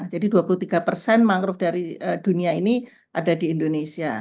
jadi dua puluh tiga mangrove dari dunia ini ada di indonesia